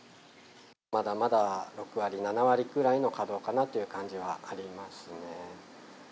まだまだ６割、７割くらいの稼働かなという感じはありますね。